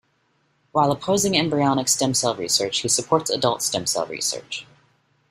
While opposing embryonic stem cell research, he supports adult stem cell research.